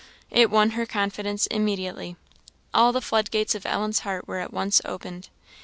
It won her confidence immediately. All the floodgates of Ellen's heart were at once opened.